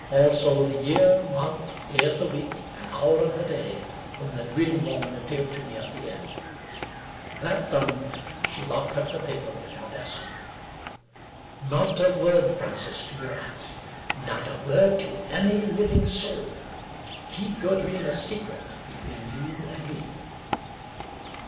Also the year, month, day of the week, and hour of the day when the Dream Woman appeared to me at the inn. That done, she locked up the paper in her desk. " Not a word, Francis, to your aunt. Not a word to any living soul. Keep your Dream a secret between you and me.